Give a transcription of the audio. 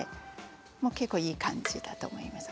結構いい感じだと思います。